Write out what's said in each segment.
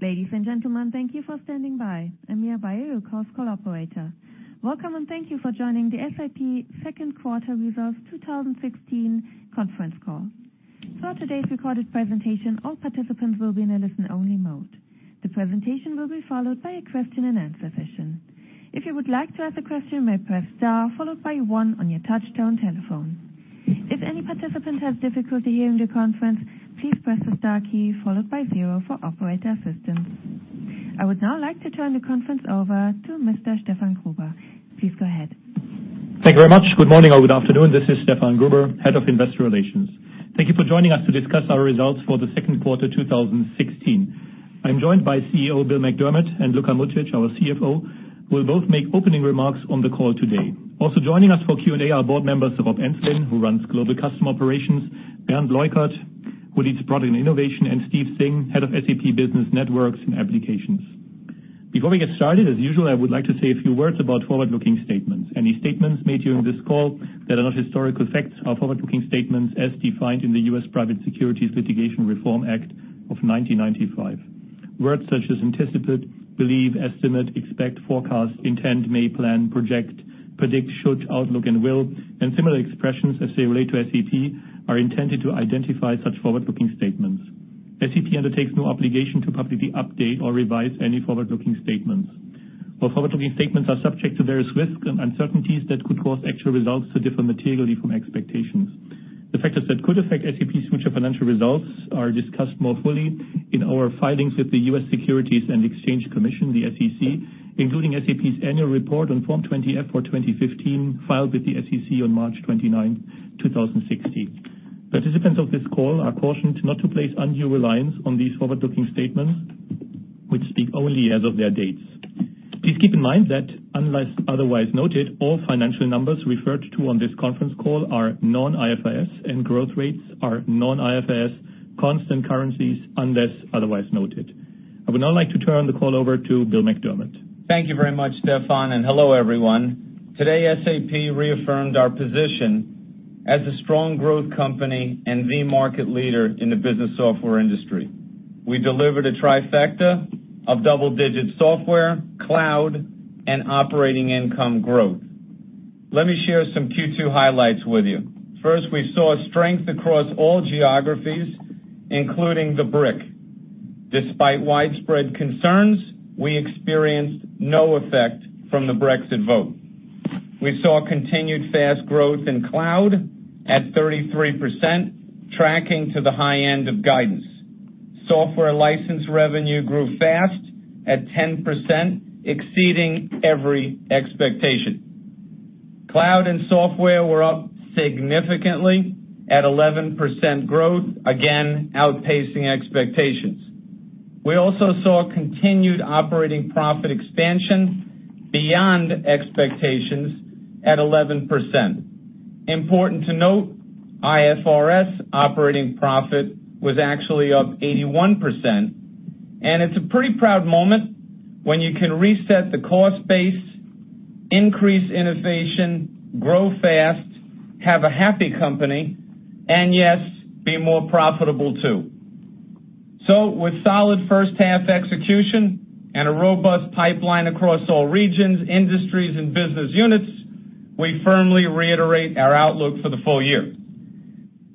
Ladies and gentlemen, thank you for standing by. I'm your Chorus Call operator. Welcome, and thank you for joining the SAP second quarter results 2016 conference call. Throughout today's recorded presentation, all participants will be in a listen-only mode. The presentation will be followed by a question and answer session. If you would like to ask a question, you may press star followed by one on your touchtone telephone. If any participants have difficulty hearing the conference, please press the star key followed by zero for operator assistance. I would now like to turn the conference over to Mr. Stefan Gruber. Please go ahead. Thank you very much. Good morning or good afternoon. This is Stefan Gruber, Head of Investor Relations. Thank you for joining us to discuss our results for the second quarter 2016. I'm joined by CEO, Bill McDermott, and Luka Mucic, our CFO, who will both make opening remarks on the call today. Also joining us for Q&A are board members Rob Enslin, who runs Global Customer Operations, Bernd Leukert, who leads Product Innovation, and Steve Singh, Head of SAP Business Networks and Applications. Before we get started, as usual, I would like to say a few words about forward-looking statements. Any statements made during this call that are not historical facts are forward-looking statements as defined in the U.S. Private Securities Litigation Reform Act of 1995. Words such as anticipate, believe, estimate, expect, forecast, intend, may, plan, project, predict, should, outlook, and will, and similar expressions as they relate to SAP, are intended to identify such forward-looking statements. SAP undertakes no obligation to publicly update or revise any forward-looking statements. Forward-looking statements are subject to various risks and uncertainties that could cause actual results to differ materially from expectations. The factors that could affect SAP's future financial results are discussed more fully in our filings with the U.S. Securities and Exchange Commission, the SEC, including SAP's annual report on Form 20-F for 2015, filed with the SEC on March 29th, 2016. Participants of this call are cautioned not to place undue reliance on these forward-looking statements, which speak only as of their dates. Please keep in mind that unless otherwise noted, all financial numbers referred to on this conference call are non-IFRS, and growth rates are non-IFRS constant currencies unless otherwise noted. I would now like to turn the call over to Bill McDermott. Thank you very much, Stefan, and hello, everyone. Today, SAP reaffirmed our position as a strong growth company and the market leader in the business software industry. We delivered a trifecta of double-digit software, cloud, and operating income growth. Let me share some Q2 highlights with you. First, we saw strength across all geographies, including the BRIC. Despite widespread concerns, we experienced no effect from the Brexit vote. We saw continued fast growth in cloud at 33%, tracking to the high end of guidance. Software license revenue grew fast at 10%, exceeding every expectation. Cloud and software were up significantly at 11% growth, again, outpacing expectations. We also saw continued operating profit expansion beyond expectations at 11%. Important to note, IFRS operating profit was actually up 81%. It's a pretty proud moment when you can reset the cost base, increase innovation, grow fast, have a happy company. Yes, be more profitable, too. With solid first-half execution and a robust pipeline across all regions, industries, and business units, we firmly reiterate our outlook for the full year.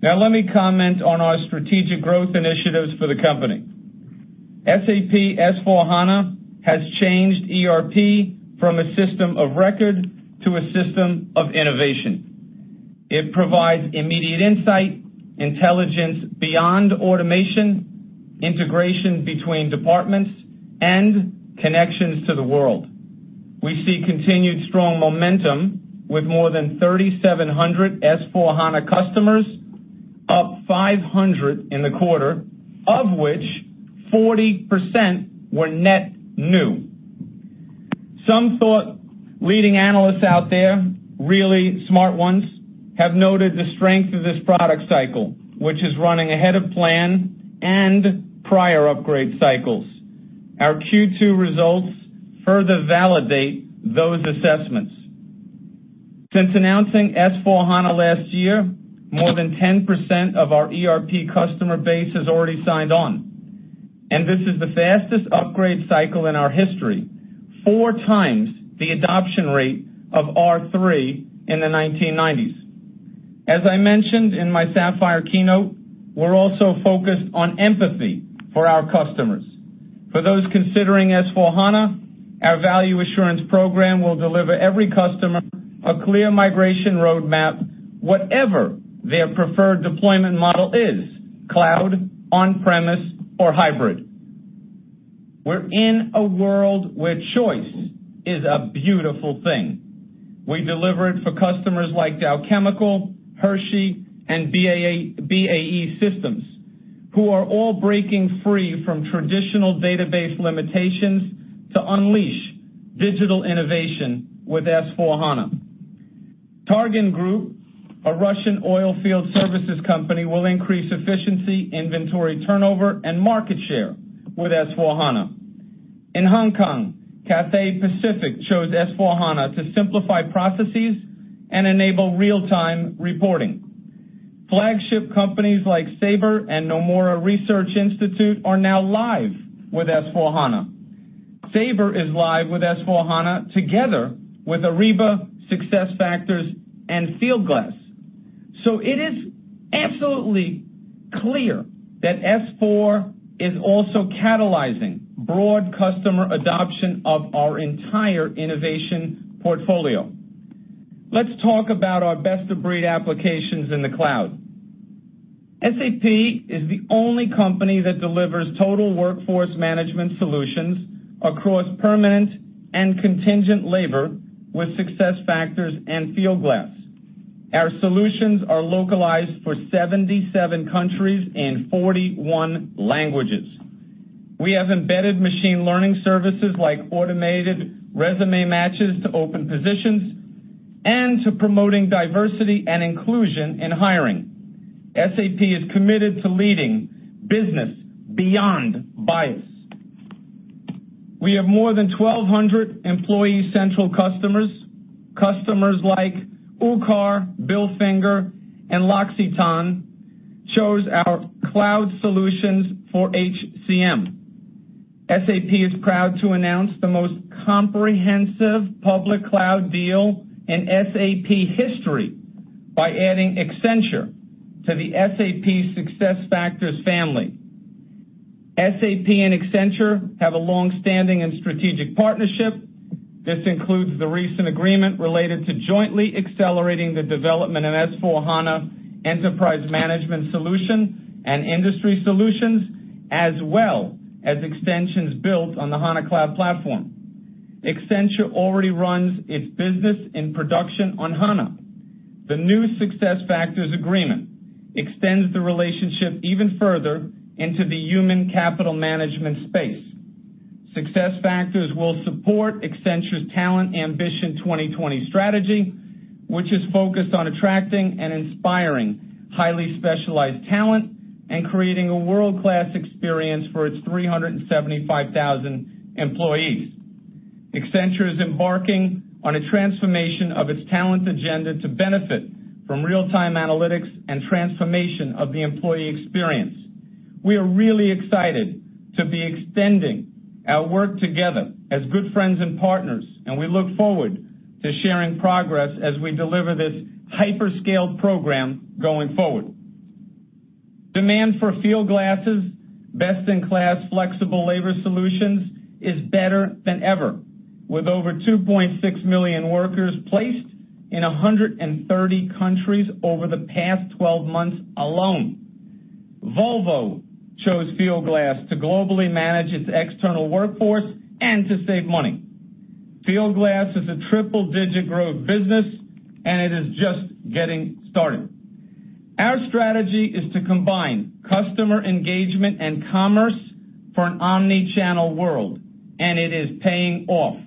Let me comment on our strategic growth initiatives for the company. SAP S/4HANA has changed ERP from a system of record to a system of innovation. It provides immediate insight, intelligence beyond automation, integration between departments, connections to the world. We see continued strong momentum with more than 3,700 S/4HANA customers, up 500 in the quarter, of which 40% were net new. Some thought leading analysts out there, really smart ones, have noted the strength of this product cycle, which is running ahead of plan prior upgrade cycles. Our Q2 results further validate those assessments. Since announcing S/4HANA last year, more than 10% of our ERP customer base has already signed on. This is the fastest upgrade cycle in our history, four times the adoption rate of R3 in the 1990s. As I mentioned in my Sapphire keynote, we're also focused on empathy for our customers. For those considering S/4HANA, our value assurance program will deliver every customer a clear migration roadmap, whatever their preferred deployment model is, cloud, on-premise, or hybrid. We're in a world where choice is a beautiful thing. We deliver it for customers like Dow Chemical, Hershey, BAE Systems, who are all breaking free from traditional database limitations to unleash digital innovation with S/4HANA. Targin, a Russian oil field services company, will increase efficiency, inventory turnover, market share with S/4HANA. In Hong Kong, Cathay Pacific chose S/4HANA to simplify processes enable real-time reporting. Flagship companies like Sabre Nomura Research Institute are now live with S/4HANA. Sabre is live with S/4HANA together with Ariba, SuccessFactors, Fieldglass. It is absolutely clear that S/4 is also catalyzing broad customer adoption of our entire innovation portfolio. Let's talk about our best-of-breed applications in the cloud. SAP is the only company that delivers total workforce management solutions across permanent and contingent labor with SuccessFactors Fieldglass. Our solutions are localized for 77 countries 41 languages. We have embedded machine learning services like automated resume matches to open positions to promoting diversity and inclusion in hiring. SAP is committed to leading business beyond bias. We have more than 1,200 employee central customers. Customers like UCAR, Bilfinger, and L'Occitane chose our cloud solutions for HCM. SAP is proud to announce the most comprehensive public cloud deal in SAP history by adding Accenture to the SAP SuccessFactors family. SAP and Accenture have a longstanding and strategic partnership. This includes the recent agreement related to jointly accelerating the development of S/4HANA enterprise management solution and industry solutions, as well as extensions built on the HANA Cloud Platform. Accenture already runs its business in production on HANA. The new SuccessFactors agreement extends the relationship even further into the human capital management space. SuccessFactors will support Accenture's Talent Ambition 2020 strategy, which is focused on attracting and inspiring highly specialized talent and creating a world-class experience for its 375,000 employees. Accenture is embarking on a transformation of its talent agenda to benefit from real-time analytics and transformation of the employee experience. We are really excited to be extending our work together as good friends and partners. We look forward to sharing progress as we deliver this hyperscale program going forward. Demand for Fieldglass' best-in-class flexible labor solutions is better than ever, with over 2.6 million workers placed in 130 countries over the past 12 months alone. Volvo chose Fieldglass to globally manage its external workforce and to save money. Fieldglass is a triple-digit growth business. It is just getting started. Our strategy is to combine customer engagement and commerce for an omni-channel world. It is paying off.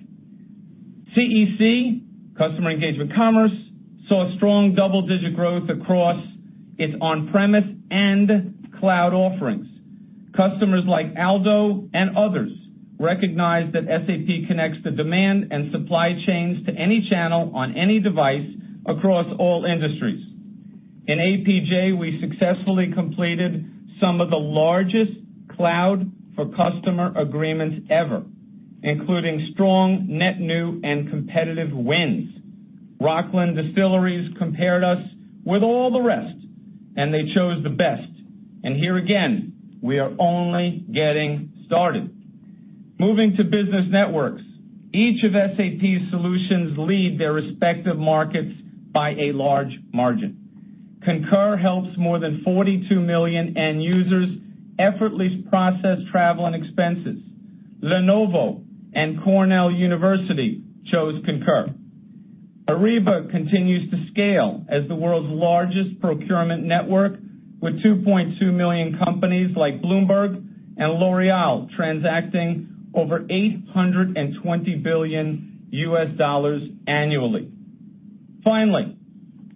CEC, Customer Engagement Commerce, saw strong double-digit growth across its on-premise and cloud offerings. Customers like Aldo and others recognize that SAP connects the demand and supply chains to any channel on any device across all industries. In APJ, we successfully completed some of the largest cloud for customer agreements ever, including strong net new and competitive wins. Rockland Distilleries compared us with all the rest. They chose the best. Here again, we are only getting started. Moving to business networks. Each of SAP's solutions lead their respective markets by a large margin. Concur helps more than 42 million end users effortlessly process travel and expenses. Lenovo and Cornell University chose Concur. Ariba continues to scale as the world's largest procurement network with 2.2 million companies like Bloomberg and L'Oreal transacting over $820 billion US annually. Finally,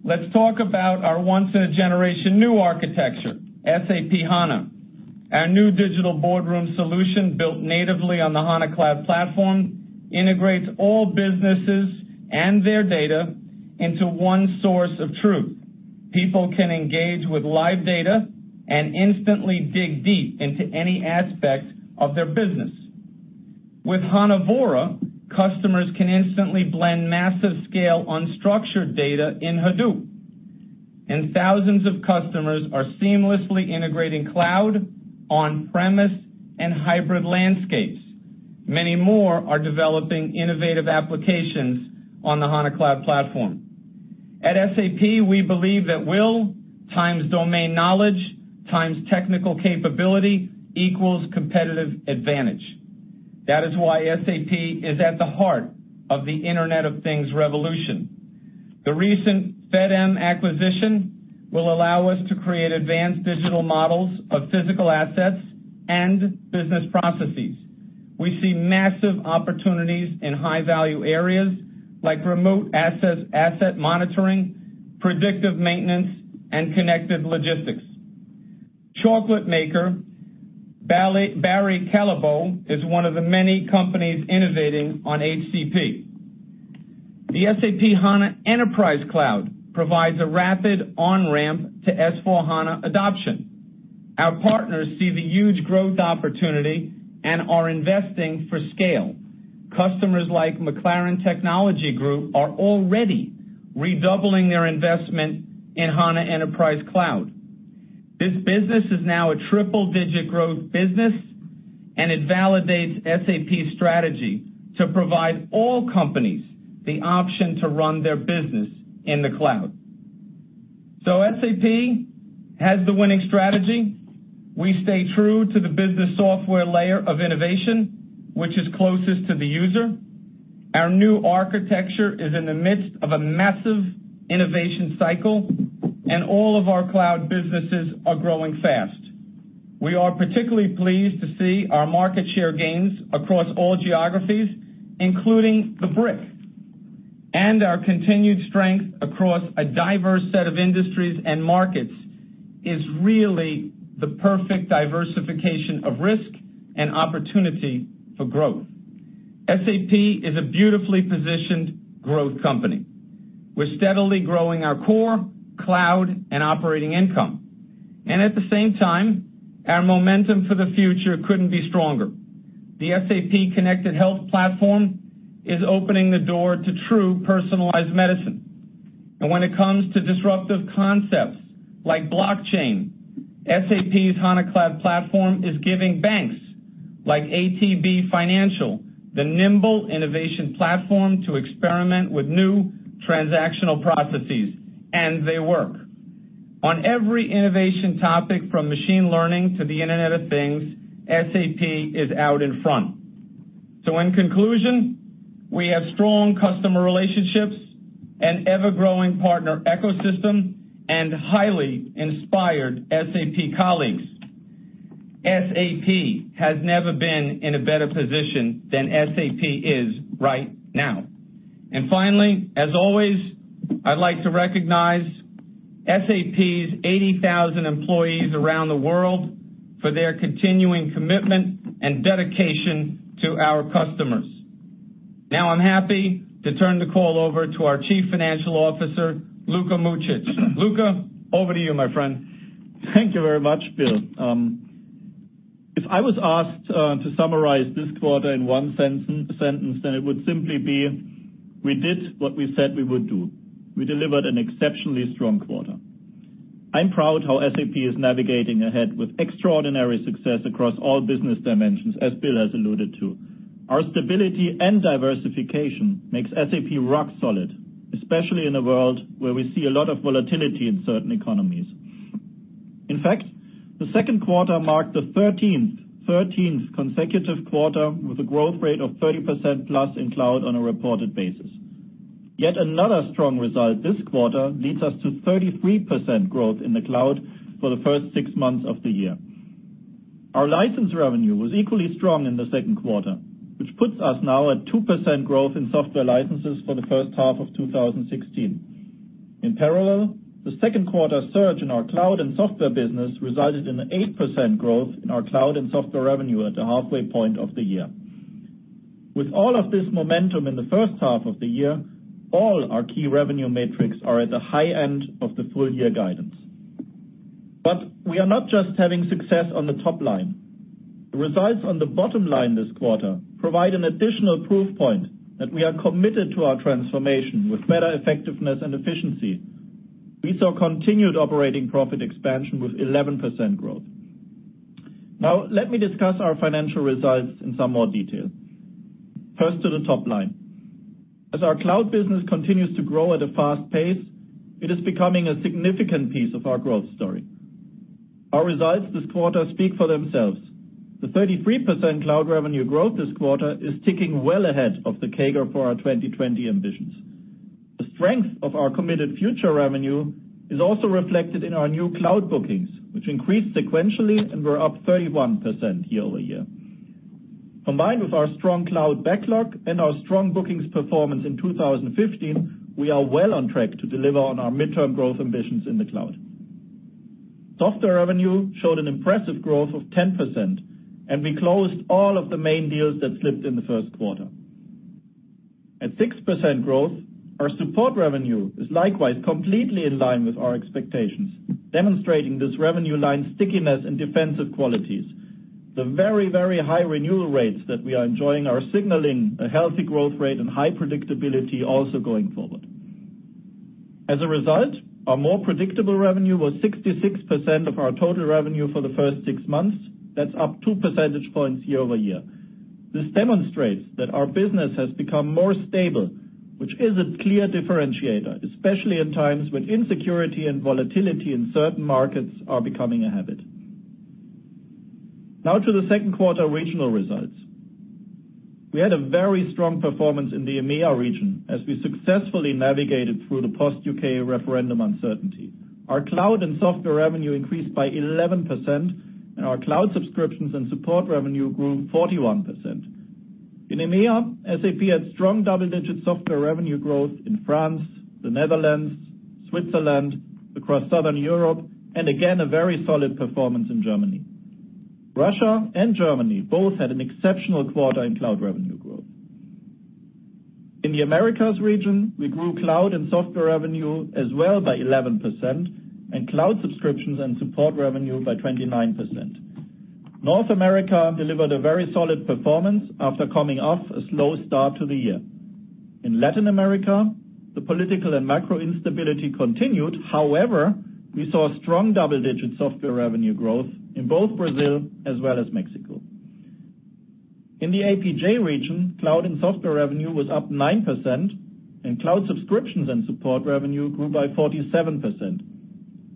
let's talk about our once-in-a-generation new architecture, SAP HANA. Our new SAP Digital Boardroom solution built natively on the HANA Cloud Platform integrates all businesses and their data into one source of truth. People can engage with live data and instantly dig deep into any aspect of their business. With HANA Vora, customers can instantly blend massive scale unstructured data in Hadoop. Thousands of customers are seamlessly integrating cloud, on-premise, and hybrid landscapes. Many more are developing innovative applications on the HANA Cloud Platform. At SAP, we believe that will times domain knowledge times technical capability equals competitive advantage. That is why SAP is at the heart of the Internet of Things revolution. The recent Fedem acquisition will allow us to create advanced digital models of physical assets and business processes. We see massive opportunities in high-value areas like remote asset monitoring, predictive maintenance, and connected logistics. Chocolate maker Barry Callebaut is one of the many companies innovating on HCP. The SAP HANA Enterprise Cloud provides a rapid on-ramp to S/4HANA adoption. Our partners see the huge growth opportunity. They are investing for scale. Customers like McLaren Technology Group are already redoubling their investment in HANA Enterprise Cloud. This business is now a triple-digit growth business. It validates SAP's strategy to provide all companies the option to run their business in the cloud. SAP has the winning strategy. We stay true to the business software layer of innovation, which is closest to the user. Our new architecture is in the midst of a massive innovation cycle, and all of our cloud businesses are growing fast. We are particularly pleased to see our market share gains across all geographies, including the BRIC. Our continued strength across a diverse set of industries and markets is really the perfect diversification of risk and opportunity for growth. SAP is a beautifully positioned growth company. We're steadily growing our core, cloud, and operating income. At the same time, our momentum for the future couldn't be stronger. The SAP Connected Health platform is opening the door to true personalized medicine. When it comes to disruptive concepts like blockchain, SAP's HANA Cloud Platform is giving banks like ATB Financial the nimble innovation platform to experiment with new transactional processes, and they work. On every innovation topic, from machine learning to the Internet of Things, SAP is out in front. In conclusion, we have strong customer relationships, an ever-growing partner ecosystem, and highly inspired SAP colleagues. SAP has never been in a better position than SAP is right now. Finally, as always, I'd like to recognize SAP's 80,000 employees around the world for their continuing commitment and dedication to our customers. Now I'm happy to turn the call over to our Chief Financial Officer, Luka Mucic. Luka, over to you, my friend. Thank you very much, Bill. If I was asked to summarize this quarter in one sentence, then it would simply be, we did what we said we would do. We delivered an exceptionally strong quarter. I'm proud how SAP is navigating ahead with extraordinary success across all business dimensions, as Bill has alluded to. Our stability and diversification makes SAP rock solid, especially in a world where we see a lot of volatility in certain economies. In fact, the second quarter marked the 13th consecutive quarter with a growth rate of 30% plus in cloud on a reported basis. Yet another strong result this quarter leads us to 33% growth in the cloud for the first six months of the year. Our license revenue was equally strong in the second quarter, which puts us now at 2% growth in software licenses for the first half of 2016. In parallel, the second quarter surge in our cloud and software business resulted in an 8% growth in our cloud and software revenue at the halfway point of the year. With all of this momentum in the first half of the year, all our key revenue metrics are at the high end of the full-year guidance. We are not just having success on the top line. The results on the bottom line this quarter provide an additional proof point that we are committed to our transformation with better effectiveness and efficiency. We saw continued operating profit expansion with 11% growth. Now, let me discuss our financial results in some more detail. First to the top line. As our cloud business continues to grow at a fast pace, it is becoming a significant piece of our growth story. Our results this quarter speak for themselves. The 33% cloud revenue growth this quarter is ticking well ahead of the CAGR for our 2020 ambitions. The strength of our committed future revenue is also reflected in our new cloud bookings, which increased sequentially and were up 31% year-over-year. Combined with our strong cloud backlog and our strong bookings performance in 2015, we are well on track to deliver on our midterm growth ambitions in the cloud. Software revenue showed an impressive growth of 10%. We closed all of the main deals that slipped in the first quarter. At 6% growth, our support revenue is likewise completely in line with our expectations, demonstrating this revenue line's stickiness and defensive qualities. The very high renewal rates that we are enjoying are signaling a healthy growth rate and high predictability also going forward. As a result, our more predictable revenue was 66% of our total revenue for the first six months. That's up 2 percentage points year-over-year. This demonstrates that our business has become more stable, which is a clear differentiator, especially in times when insecurity and volatility in certain markets are becoming a habit. Now to the second quarter regional results. We had a very strong performance in the EMEA region as we successfully navigated through the post-U.K. referendum uncertainty. Our cloud and software revenue increased by 11%, and our cloud subscriptions and support revenue grew 41%. In EMEA, SAP had strong double-digit software revenue growth in France, the Netherlands, Switzerland, across Southern Europe. Again, a very solid performance in Germany. Russia and Germany both had an exceptional quarter in cloud revenue growth. In the Americas region, we grew cloud and software revenue as well by 11%, and cloud subscriptions and support revenue by 29%. North America delivered a very solid performance after coming off a slow start to the year. In Latin America, the political and macro instability continued. We saw strong double-digit software revenue growth in both Brazil as well as Mexico. In the APJ region, cloud and software revenue was up 9%, and cloud subscriptions and support revenue grew by 47%.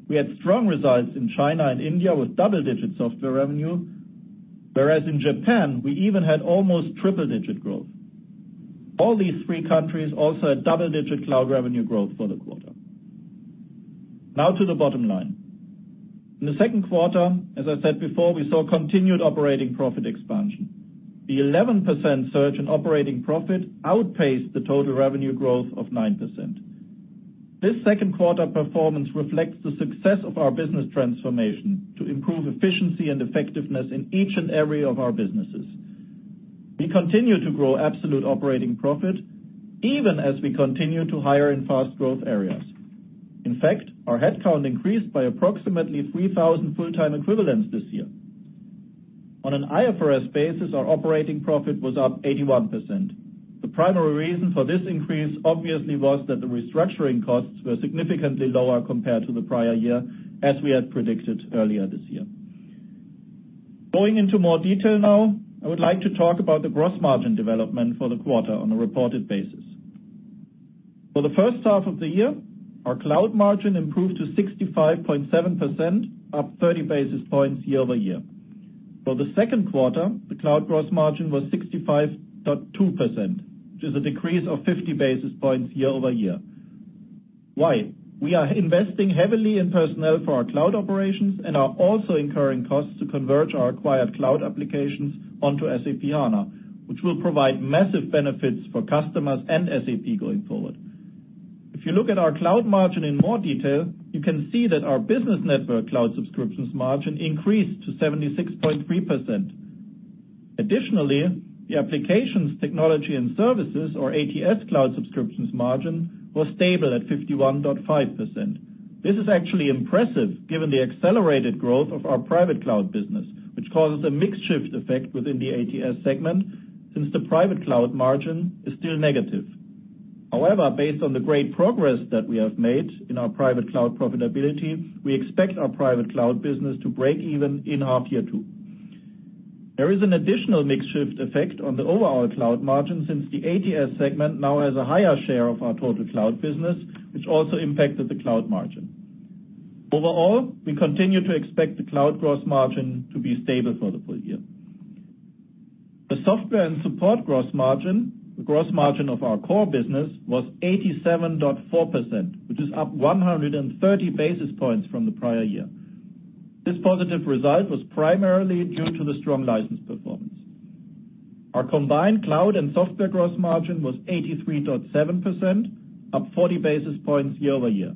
We had strong results in China and India with double-digit software revenue, whereas in Japan, we even had almost triple-digit growth. All these 3 countries also had double-digit cloud revenue growth for the quarter. Now to the bottom line. In the second quarter, as I said before, we saw continued operating profit expansion. The 11% surge in operating profit outpaced the total revenue growth of 9%. This second quarter performance reflects the success of our business transformation to improve efficiency and effectiveness in each and every of our businesses. We continue to grow absolute operating profit, even as we continue to hire in fast growth areas. In fact, our headcount increased by approximately 3,000 full-time equivalents this year. On an IFRS basis, our operating profit was up 81%. The primary reason for this increase obviously was that the restructuring costs were significantly lower compared to the prior year, as we had predicted earlier this year. Going into more detail now, I would like to talk about the gross margin development for the quarter on a reported basis. For the first half of the year, our cloud margin improved to 65.7%, up 30 basis points year-over-year. For the second quarter, the cloud gross margin was 65.2%, which is a decrease of 50 basis points year-over-year. Why? We are investing heavily in personnel for our cloud operations and are also incurring costs to converge our acquired cloud applications onto SAP HANA, which will provide massive benefits for customers and SAP going forward. If you look at our cloud margin in more detail, you can see that our business network cloud subscriptions margin increased to 76.3%. Additionally, the applications, technology and services or ATS cloud subscriptions margin was stable at 51.5%. This is actually impressive given the accelerated growth of our private cloud business, which causes a mix shift effect within the ATS segment since the private cloud margin is still negative. Based on the great progress that we have made in our private cloud profitability, we expect our private cloud business to break even in H2. There is an additional mix shift effect on the overall cloud margin since the ATS segment now has a higher share of our total cloud business, which also impacted the cloud margin. Overall, we continue to expect the cloud gross margin to be stable for the full year. The software and support gross margin, the gross margin of our core business, was 87.4%, which is up 130 basis points from the prior year. This positive result was primarily due to the strong license performance. Our combined cloud and software gross margin was 83.7%, up 40 basis points year-over-year.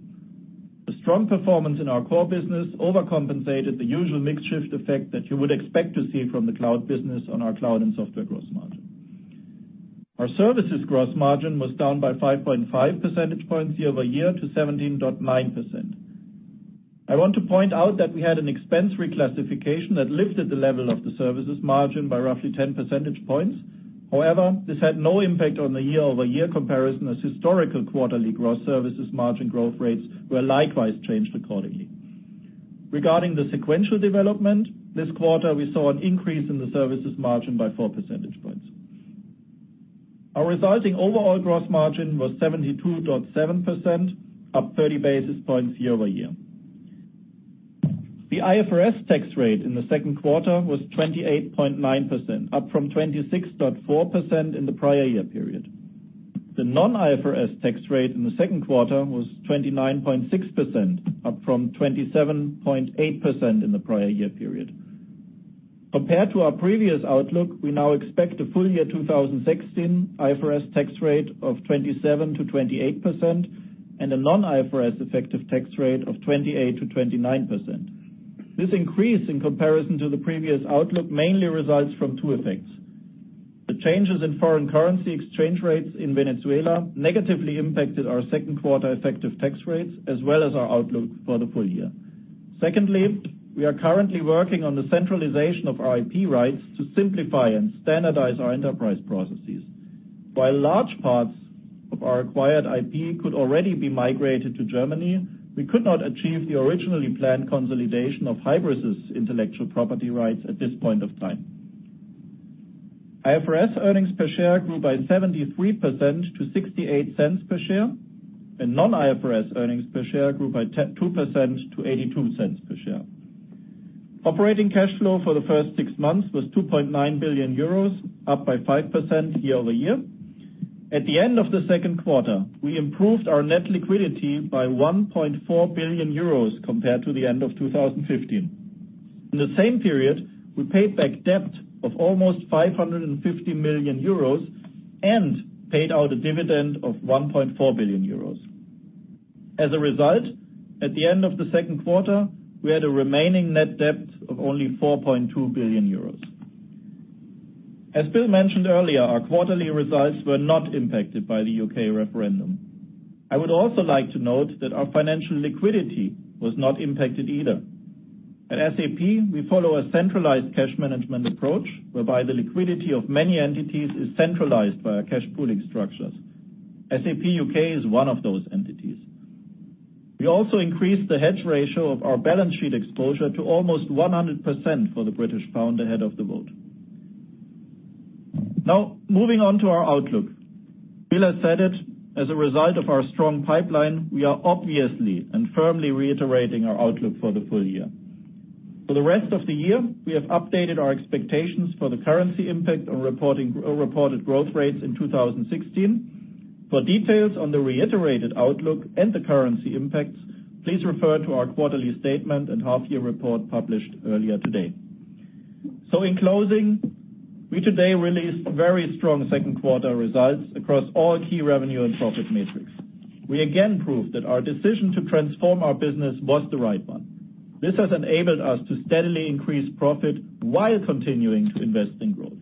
The strong performance in our core business overcompensated the usual mix shift effect that you would expect to see from the cloud business on our cloud and software gross margin. Our services gross margin was down by 5.5 percentage points year-over-year to 17.9%. I want to point out that we had an expense reclassification that lifted the level of the services margin by roughly 10 percentage points. This had no impact on the year-over-year comparison as historical quarterly gross services margin growth rates were likewise changed accordingly. Regarding the sequential development, this quarter, we saw an increase in the services margin by four percentage points. Our resulting overall gross margin was 72.7%, up 30 basis points year-over-year. The IFRS tax rate in the second quarter was 28.9%, up from 26.4% in the prior year period. The non-IFRS tax rate in the second quarter was 29.6%, up from 27.8% in the prior year period. Compared to our previous outlook, we now expect the full year 2016 IFRS tax rate of 27%-28% and a non-IFRS effective tax rate of 28%-29%. This increase in comparison to the previous outlook mainly results from two effects. The changes in foreign currency exchange rates in Venezuela negatively impacted our second quarter effective tax rates as well as our outlook for the full year. Secondly, we are currently working on the centralization of our IP rights to simplify and standardize our enterprise processes. While large parts of our acquired IP could already be migrated to Germany, we could not achieve the originally planned consolidation of Hybris' intellectual property rights at this point of time. IFRS earnings per share grew by 73% to 0.68 per share, and non-IFRS earnings per share grew by 2% to 0.82 per share. Operating cash flow for the first six months was 2.9 billion euros, up by 5% year-over-year. At the end of the second quarter, we improved our net liquidity by 1.4 billion euros compared to the end of 2015. In the same period, we paid back debt of almost 550 million euros and paid out a dividend of 1.4 billion euros. As a result, at the end of the second quarter, we had a remaining net debt of only 4.2 billion euros. As Bill mentioned earlier, our quarterly results were not impacted by the U.K. referendum. I would also like to note that our financial liquidity was not impacted either. At SAP, we follow a centralized cash management approach, whereby the liquidity of many entities is centralized via cash pooling structures. SAP U.K. is one of those entities. We also increased the hedge ratio of our balance sheet exposure to almost 100% for the British pound ahead of the vote. Moving on to our outlook. Bill has said it. As a result of our strong pipeline, we are obviously and firmly reiterating our outlook for the full year. For the rest of the year, we have updated our expectations for the currency impact on reported growth rates in 2016. For details on the reiterated outlook and the currency impacts, please refer to our quarterly statement and half-year report published earlier today. In closing, we today released very strong second quarter results across all key revenue and profit metrics. We again proved that our decision to transform our business was the right one. This has enabled us to steadily increase profit while continuing to invest in growth.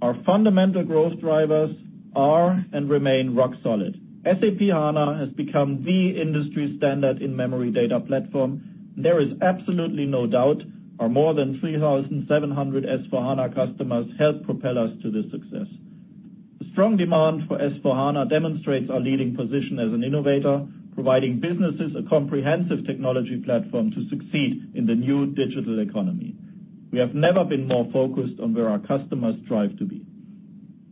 Our fundamental growth drivers are and remain rock solid. SAP HANA has become the industry standard in-memory data platform. There is absolutely no doubt our more than 3,700 S/4HANA customers helped propel us to this success. The strong demand for S/4HANA demonstrates our leading position as an innovator, providing businesses a comprehensive technology platform to succeed in the new digital economy. We have never been more focused on where our customers strive to be.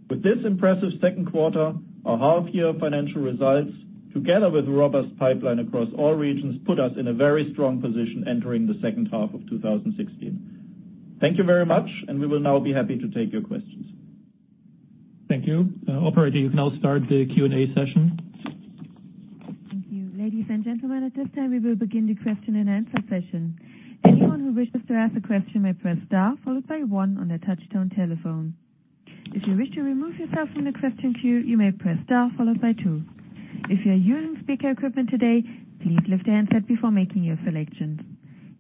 With this impressive second quarter, our half-year financial results, together with robust pipeline across all regions, put us in a very strong position entering the second half of 2016. Thank you very much. We will now be happy to take your questions. Thank you. Operator, you can now start the Q&A session. Thank you. Ladies and gentlemen, at this time, we will begin the question and answer session. Anyone who wishes to ask a question may press star followed by one on their touch-tone telephone. If you wish to remove yourself from the question queue, you may press star followed by two. If you are using speaker equipment today, please lift your handset before making your selections.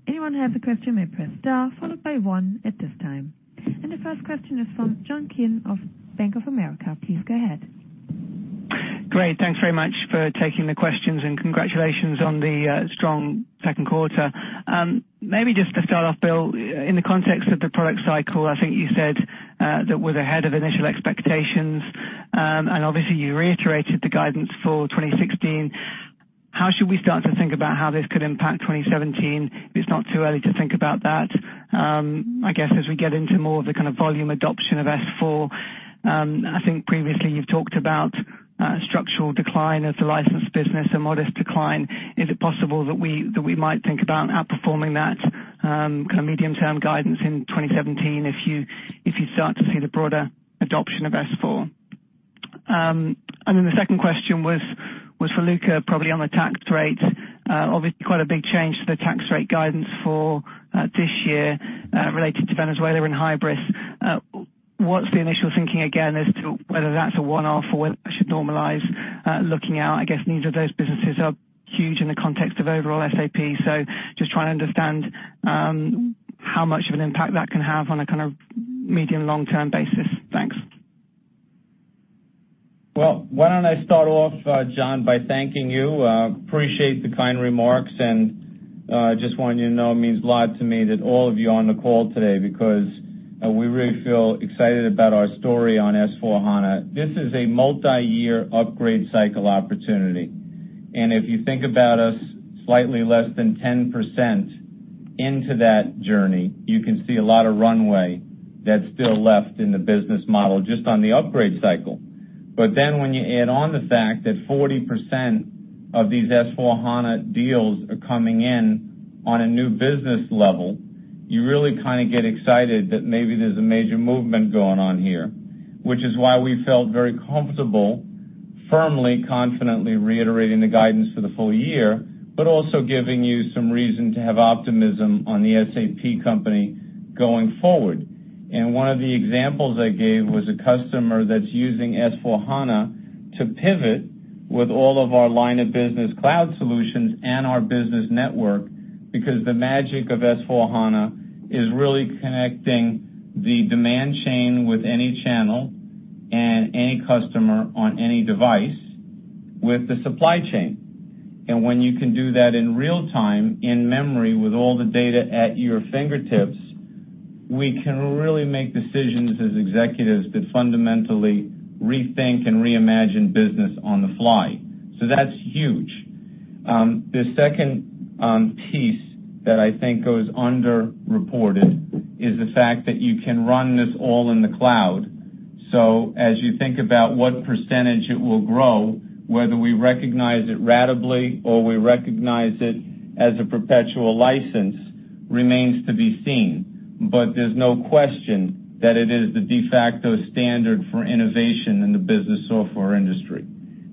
Anyone have a question may press star followed by one at this time. The first question is from John King of Bank of America. Please go ahead. Great. Thanks very much for taking the questions and congratulations on the strong second quarter. Maybe just to start off, Bill, in the context of the product cycle, I think you said that was ahead of initial expectations, and obviously you reiterated the guidance for 2016. How should we start to think about how this could impact 2017, if it's not too early to think about that? I guess as we get into more of the kind of volume adoption of S/4, I think previously you've talked about structural decline as the license business, a modest decline. Is it possible that we might think about outperforming that kind of medium-term guidance in 2017 if you start to see the broader adoption of S/4? The second question was for Luka, probably on the tax rate. Obviously, quite a big change to the tax rate guidance for this year related to Venezuela and Hybris. What's the initial thinking again as to whether that's a one-off or whether it should normalize looking out? I guess neither of those businesses are huge in the context of overall SAP. Just trying to understand how much of an impact that can have on a kind of medium, long-term basis. Thanks. Why don't I start off, John, by thanking you. Appreciate the kind remarks, and just want you to know it means a lot to me that all of you are on the call today because, we really feel excited about our story on S/4HANA. This is a multi-year upgrade cycle opportunity, and if you think about us slightly less than 10% into that journey, you can see a lot of runway that's still left in the business model just on the upgrade cycle. When you add on the fact that 40% of these S/4HANA deals are coming in on a new business level, you really kind of get excited that maybe there's a major movement going on here, which is why we felt very comfortable, firmly, confidently reiterating the guidance for the full year, also giving you some reason to have optimism on the SAP company going forward. One of the examples I gave was a customer that's using S/4HANA to pivot with all of our line of business cloud solutions and our Business Network, because the magic of S/4HANA is really connecting the demand chain with any channel and any customer on any device with the supply chain. When you can do that in real time, in memory, with all the data at your fingertips, we can really make decisions as executives that fundamentally rethink and reimagine business on the fly. That's huge. As you think about what % it will grow, whether we recognize it ratably or we recognize it as a perpetual license remains to be seen. There's no question that it is the de facto standard for innovation in the business software industry.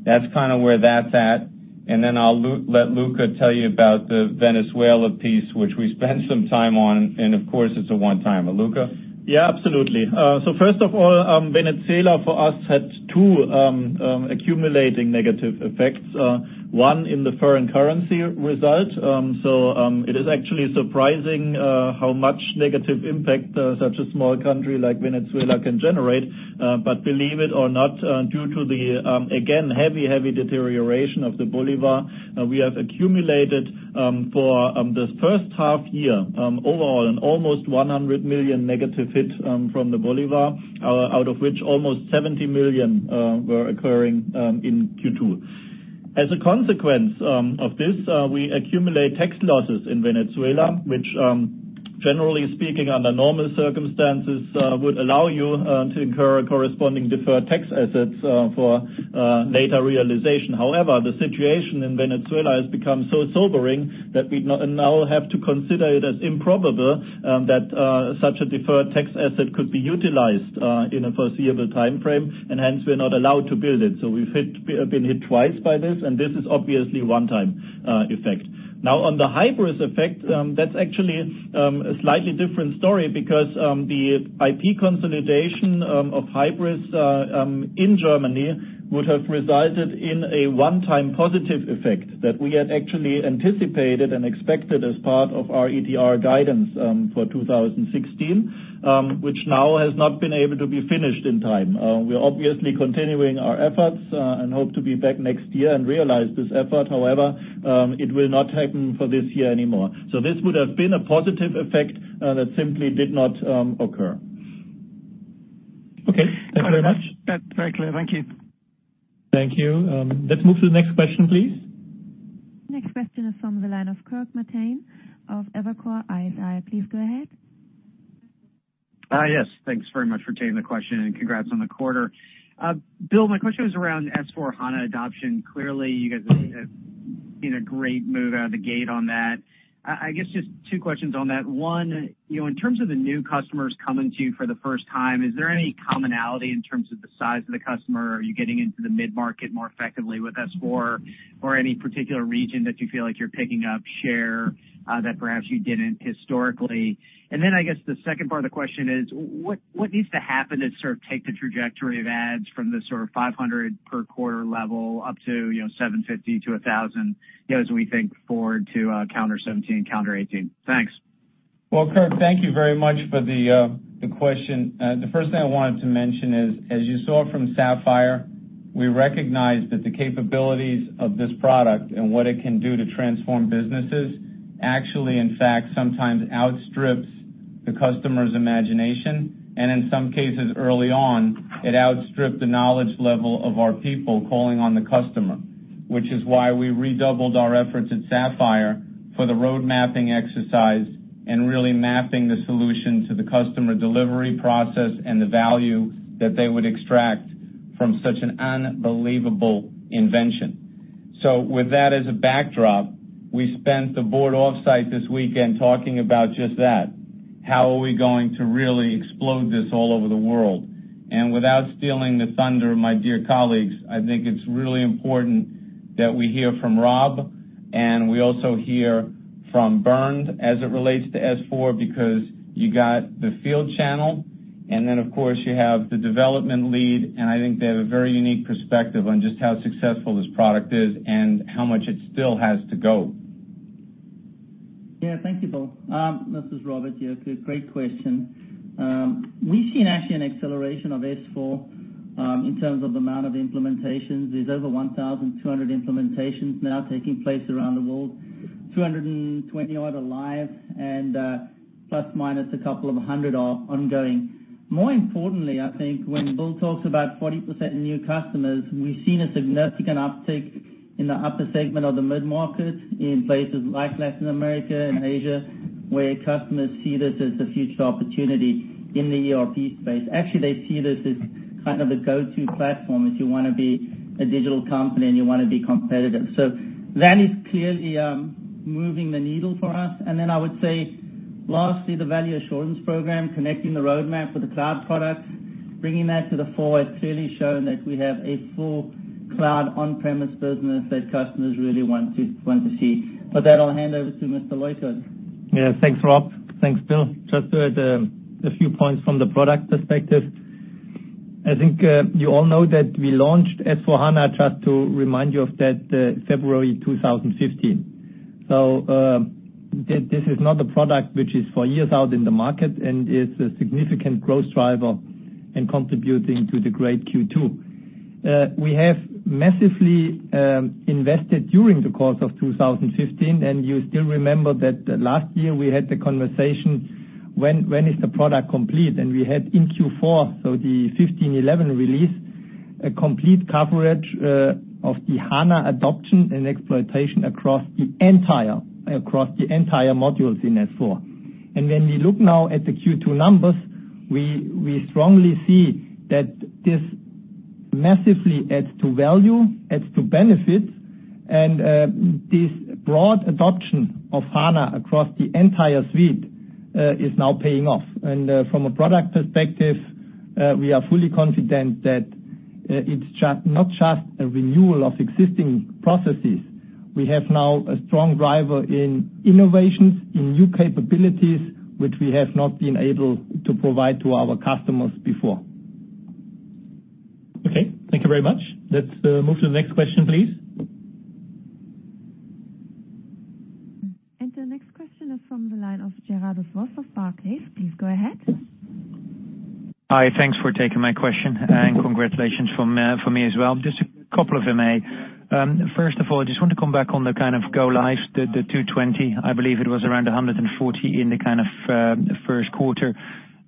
That's kind of where that's at. I'll let Luka tell you about the Venezuela piece, which we spent some time on, and of course, it's a one-time. Luka? Yeah, absolutely. First of all, Venezuela for us had two accumulating negative effects. One, in the foreign currency result. It is actually surprising how much negative impact such a small country like Venezuela can generate. Believe it or not, due to the, again, heavy deterioration of the bolivar, we have accumulated for this first half year, overall, an almost bolivar 100 million negative hit from the bolivar, out of which almost bolivar 70 million were occurring in Q2. As a consequence of this, we accumulate tax losses in Venezuela, which, generally speaking, under normal circumstances, would allow you to incur corresponding deferred tax assets for later realization. The situation in Venezuela has become so sobering that we now have to consider it as improbable that such a deferred tax asset could be utilized in a foreseeable timeframe, and hence we're not allowed to build it. We've been hit twice by this, and this is obviously a one-time effect. Now, on the Hybris effect, that's actually a slightly different story because the IP consolidation of Hybris in Germany would have resulted in a one-time positive effect that we had actually anticipated and expected as part of our ETR guidance for 2016, which now has not been able to be finished in time. We're obviously continuing our efforts and hope to be back next year and realize this effort. However, it will not happen for this year anymore. This would have been a positive effect that simply did not occur. Okay. Thank you very much. That's very clear. Thank you. Thank you. Let's move to the next question, please. Next question is from the line of Kirk Materne of Evercore ISI. Please go ahead. Yes. Thanks very much for taking the question, and congrats on the quarter. Bill, my question is around S/4HANA adoption. Clearly, you guys have been in a great mood out of the gate on that. I guess just two questions on that. One, in terms of the new customers coming to you for the first time, is there any commonality in terms of the size of the customer? Are you getting into the mid-market more effectively with S/4 or any particular region that you feel like you're picking up share that perhaps you didn't historically? I guess the second part of the question is, what needs to happen to sort of take the trajectory of ads from the sort of 500 per quarter level up to 750 to 1,000, as we think forward to calendar 2017, calendar 2018? Thanks. Well, Kirk, thank you very much for the question. The first thing I wanted to mention is, as you saw from Sapphire, we recognize that the capabilities of this product and what it can do to transform businesses actually, in fact, sometimes outstrips the customer's imagination. In some cases early on, it outstripped the knowledge level of our people calling on the customer, which is why we redoubled our efforts at Sapphire for the road mapping exercise and really mapping the solution to the customer delivery process and the value that they would extract from such an unbelievable invention. With that as a backdrop, we spent the board offsite this weekend talking about just that. How are we going to really explode this all over the world? Without stealing the thunder of my dear colleagues, I think it's really important that we hear from Rob and we also hear from Bernd as it relates to S/4 because you got the field channel, and then, of course, you have the development lead, and I think they have a very unique perspective on just how successful this product is and how much it still has to go. Thank you, Bill. This is Robert. Great question. We've seen actually an acceleration of S/4 in terms of the amount of implementations. There's over 1,200 implementations now taking place around the world. 220 odd are live, and plus minus a couple of hundred are ongoing. More importantly, I think when Bill talks about 40% new customers, we've seen a significant uptick in the upper segment of the mid-market in places like Latin America and Asia, where customers see this as a future opportunity in the ERP space. Actually, they see this as kind of the go-to platform if you want to be a digital company, and you want to be competitive. That is clearly moving the needle for us. I would say lastly, the value assurance program, connecting the roadmap with the cloud product, bringing that to the fore has clearly shown that we have a full cloud on-premise business that customers really want to see. With that, I'll hand over to Bernd Leukert. Thanks, Rob. Thanks, Bill. Just to add a few points from the product perspective. I think you all know that we launched S/4HANA, just to remind you of that, February 2015. This is not a product which is for years out in the market, and is a significant growth driver in contributing to the great Q2. We have massively invested during the course of 2015, and you still remember that last year we had the conversation, when is the product complete? We had in Q4, so the 15.11 release, a complete coverage of the HANA adoption and exploitation across the entire modules in S/4. When we look now at the Q2 numbers, we strongly see that this massively adds to value, adds to benefit. This broad adoption of HANA across the entire suite is now paying off. From a product perspective, we are fully confident that it's not just a renewal of existing processes. We have now a strong driver in innovations, in new capabilities, which we have not been able to provide to our customers before. Okay, thank you very much. Let's move to the next question, please. The next question is from the line of Gerardus Vos of Barclays. Please go ahead. Hi. Thanks for taking my question, and congratulations from me as well. Just a couple of them. First of all, I just want to come back on the kind of go lives, the 220. I believe it was around 140 in the first quarter.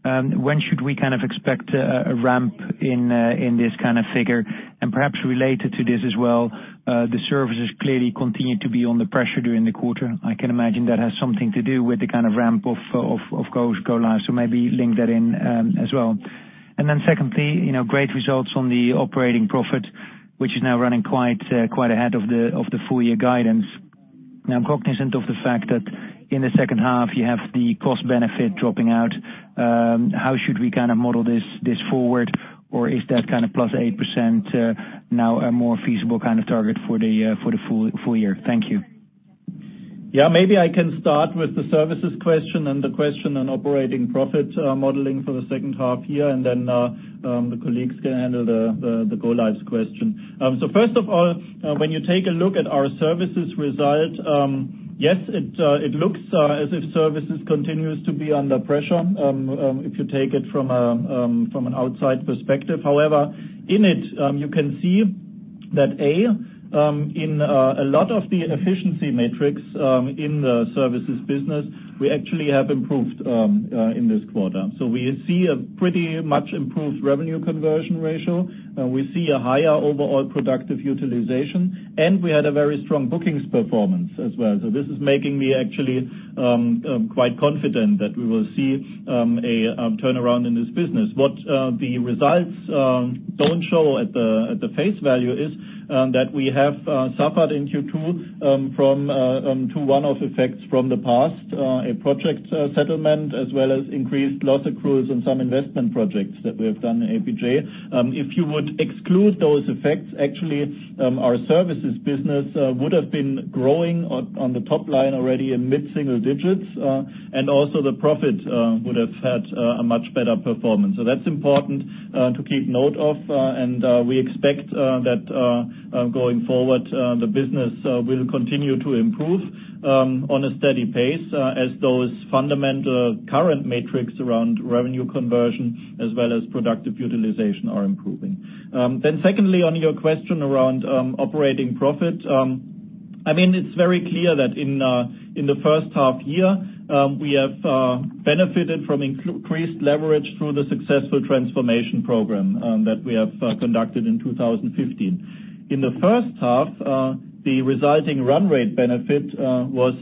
When should we expect a ramp in this kind of figure? Perhaps related to this as well, the services clearly continued to be under pressure during the quarter. I can imagine that has something to do with the ramp of go lives. Maybe link that in as well. Secondly, great results on the operating profit, which is now running quite ahead of the full year guidance. Now, I'm cognizant of the fact that in the second half, you have the cost benefit dropping out. How should we model this forward? Is that plus 8% now a more feasible kind of target for the full year? Thank you. Maybe I can start with the services question and the question on operating profit modeling for the second half year, then the colleagues can handle the go lives question. First of all, when you take a look at our services result, yes, it looks as if services continues to be under pressure, if you take it from an outside perspective. However, in it, you can see that, A, in a lot of the efficiency metrics in the services business, we actually have improved in this quarter. We see a pretty much improved revenue conversion ratio, and we see a higher overall productive utilization. We had a very strong bookings performance as well. This is making me actually quite confident that we will see a turnaround in this business. What the results don't show at the face value is that we have suffered in Q2 from two one-off effects from the past. A project settlement, as well as increased loss accruals on some investment projects that we have done in APJ. If you would exclude those effects, actually, our services business would have been growing on the top line already in mid-single digits. Also the profit would have had a much better performance. That's important to keep note of. We expect that going forward the business will continue to improve on a steady pace as those fundamental current metrics around revenue conversion as well as productive utilization are improving. Secondly, on your question around operating profit. It's very clear that in the first half year, we have benefited from increased leverage through the successful transformation program that we have conducted in 2015. In the first half, the resulting run rate benefit was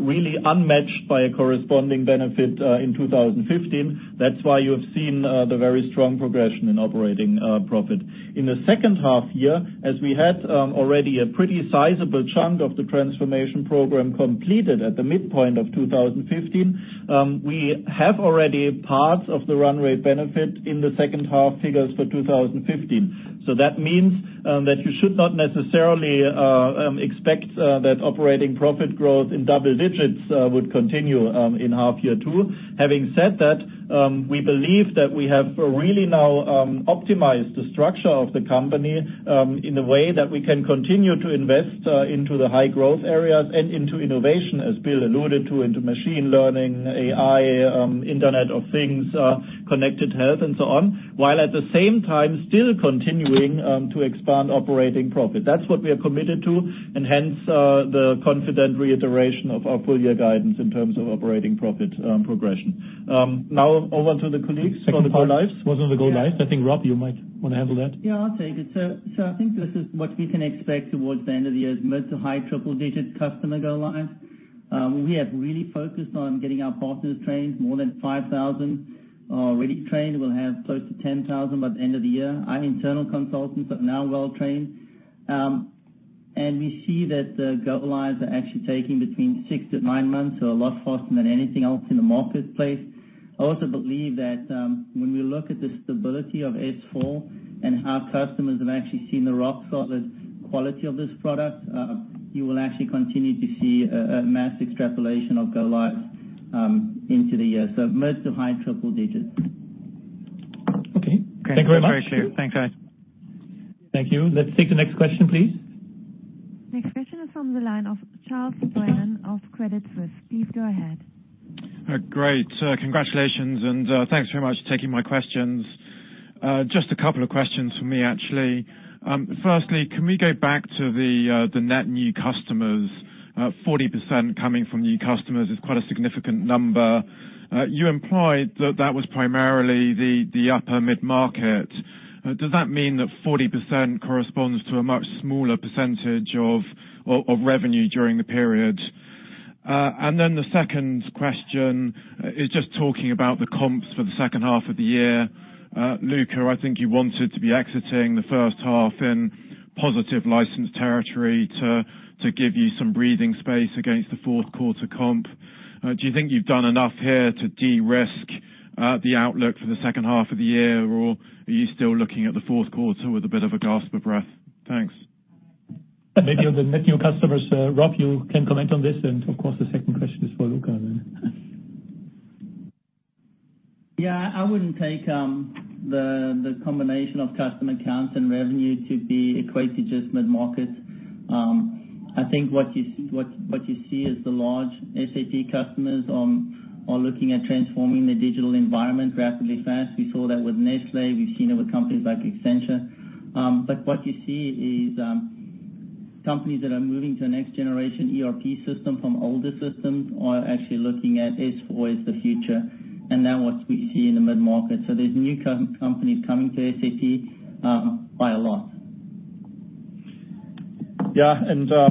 really unmatched by a corresponding benefit in 2015. That's why you have seen the very strong progression in operating profit. In the second half year, as we had already a pretty sizable chunk of the transformation program completed at the midpoint of 2015, we have already part of the run rate benefit in the second half figures for 2015. That means that you should not necessarily expect that operating profit growth in double digits would continue in half year two. Having said that, we believe that we have really now optimized the structure of the company in a way that we can continue to invest into the high growth areas and into innovation, as Bill alluded to, into machine learning, AI, Internet of Things, connected health, and so on, while at the same time still continuing to expand operating profit. That's what we are committed to, hence the confident reiteration of our full year guidance in terms of operating profit progression. Over to the colleagues on the go lives. Was on the go lives. I think, Rob, you might want to handle that. Yeah, I'll take it. I think this is what we can expect towards the end of the year is mid to high triple digit customer go live. We have really focused on getting our partners trained. More than 5,000 are already trained. We'll have close to 10,000 by the end of the year. Our internal consultants are now well trained. We see that the go lives are actually taking between six to nine months. A lot faster than anything else in the marketplace. I also believe that when we look at the stability of S/4 and how customers have actually seen the rock solid quality of this product, you will actually continue to see a mass extrapolation of go lives into the year. Mid to high triple digits. Okay. Thank you very much. Very clear. Thanks, guys. Thank you. Let's take the next question, please. Next question is from the line of Charles Brennan of Credit Suisse. Please go ahead. Great. Congratulations, Thanks very much for taking my questions. Just a couple of questions from me, actually. Firstly, can we go back to the net new customers? 40% coming from new customers is quite a significant number. You implied that that was primarily the upper mid-market. Does that mean that 40% corresponds to a much smaller percentage of revenue during the period? The second question is just talking about the comps for the second half of the year. Luka, I think you wanted to be exiting the first half in positive licensed territory to give you some breathing space against the fourth quarter comp. Do you think you've done enough here to de-risk the outlook for the second half of the year, or are you still looking at the fourth quarter with a bit of a gasp of breath? Thanks. Maybe on the net new customers, Rob, you can comment on this. Of course, the second question is for Luka then. Yeah, I wouldn't take the combination of customer counts and revenue to be equated to just mid-market. I think what you see is the large SAP customers are looking at transforming their digital environment rapidly fast. We saw that with Nestlé. We've seen it with companies like Accenture. What you see is companies that are moving to a next generation ERP system from older systems are actually looking at S/4 as the future, and they're what we see in the mid-market. There's new companies coming to SAP by a lot. Yeah.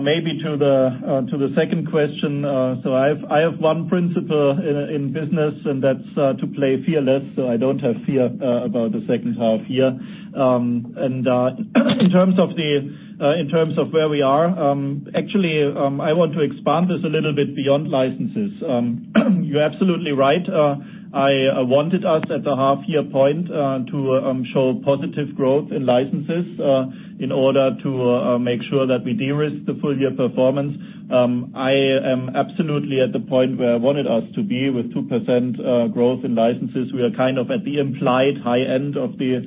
Maybe to the second question. I have one principle in business, and that's to play fearless, so I don't have fear about the second half-year. In terms of where we are, actually, I want to expand this a little bit beyond licenses. You're absolutely right. I wanted us at the half-year point to show positive growth in licenses in order to make sure that we de-risk the full year performance. I am absolutely at the point where I wanted us to be with 2% growth in licenses. We are kind of at the implied high end of the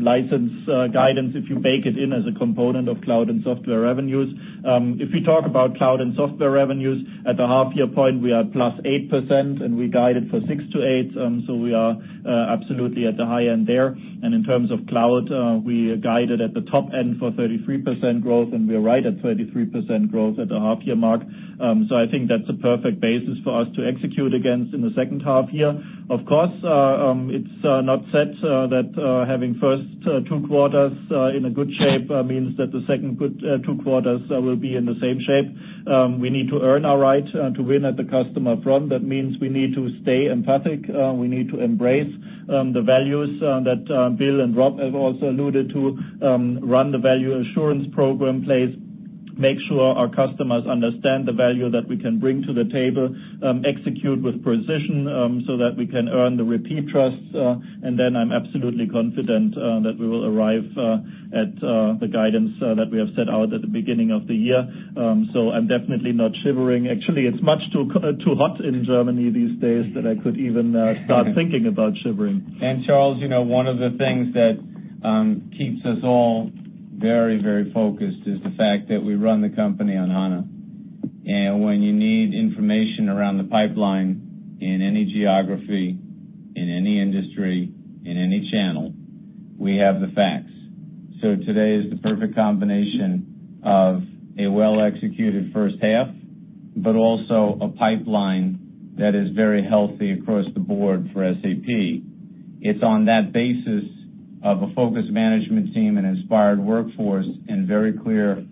license guidance if you bake it in as a component of cloud and software revenues. If we talk about cloud and software revenues, at the half-year point, we are +8%, and we guided for 6%-8%. We are absolutely at the high end there. In terms of cloud, we guided at the top end for 33% growth, and we are right at 33% growth at the half-year mark. I think that's a perfect basis for us to execute against in the second half-year. Of course, it's not said that having first two quarters in a good shape means that the second two quarters will be in the same shape. We need to earn our right to win at the customer front. That means we need to stay empathic. We need to embrace the values that Bill and Rob have also alluded to, run the Value Assurance Program in place, make sure our customers understand the value that we can bring to the table, execute with precision so that we can earn the repeat trusts. Then I'm absolutely confident that we will arrive at the guidance that we have set out at the beginning of the year. I'm definitely not shivering. Actually, it's much too hot in Germany these days that I could even start thinking about shivering. Charles, one of the things that keeps us all very focused is the fact that we run the company on HANA. When you need information around the pipeline in any geography, in any industry, in any channel, we have the facts. Today is the perfect combination of a well-executed first half, but also a pipeline that is very healthy across the board for SAP. It's on that basis of a focused management team, an inspired workforce, and very clear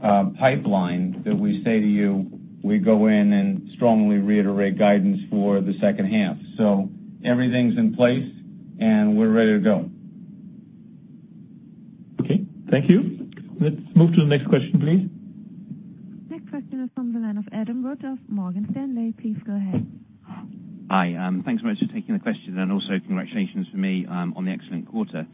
pipeline that we say to you, we go in and strongly reiterate guidance for the second half. Everything's in place, and we're ready to go. Okay. Thank you. Let's move to the next question, please. Next question is from the line of Adam Wood, Morgan Stanley. Please go ahead. Hi. Thanks very much for taking the question, and also congratulations from me on the excellent quarter.